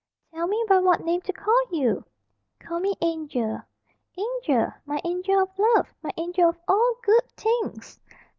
"Tell me by what name to call you!" "Call me Angel." "Angel! My angel of love! My angel of all good things!"